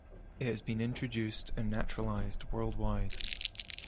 It has been introduced and naturalized worldwide.